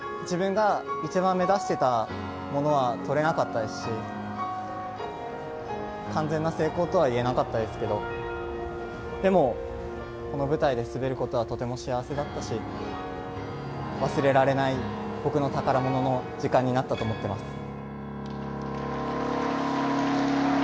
自分が一番目指してたものはとれなかったですし、完全な成功とはいえなかったですけど、でも、この舞台で滑ることはとても幸せだったし、忘れられない僕の宝物の時間になったと思ってます。